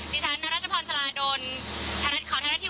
ดีทั้นนารัชพรสลาโดนข่าวไทรัติวี